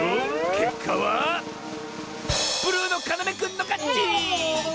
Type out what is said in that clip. けっかはブルーのかなめくんのかち！